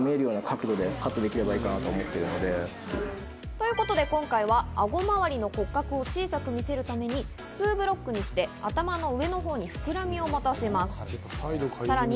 ということで今回はあご周りの骨格を小さく見せるためにツーブロックにして頭の上のほうに膨らみを持たせます。